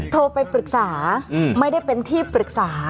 โทรไปปรึกษาไม่ได้เป็นที่ปรึกษา